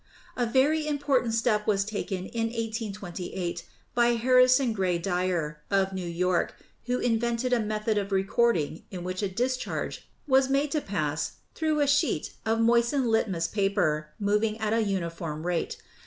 A very important step was taken in 1828 by Harrison Gray Dyar, of New York, who invented a method of recording in which a discharge was made to pass through a sheet of moistened litmus paper moving at a uniform rate.